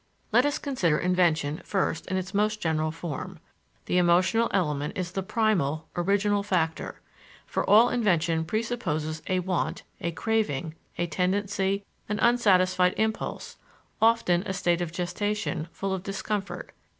Let us consider invention, first, in its most general form. The emotional element is the primal, original factor; for all invention presupposes a want, a craving, a tendency, an unsatisfied impulse, often even a state of gestation full of discomfort.